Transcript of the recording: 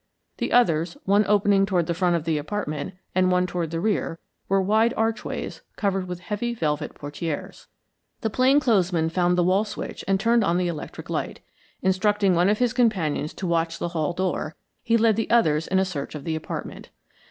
The others, one opening toward the front of the apartment, and one toward the rear, were wide archways covered with heavy velvet portieres. The plain clothes man found the wall switch and turned on the electric light. Instructing one of his companions to watch the hall door, he led the others in a search of the apartment.